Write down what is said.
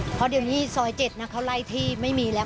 เพราะเดี๋ยวนี้ซอย๗นะเขาไล่ที่ไม่มีแล้ว